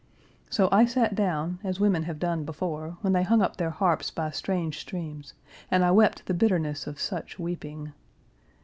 So, I sat down, as women have done before, when they hung up their harps by strange streams, and I wept the bitterness of such weeping.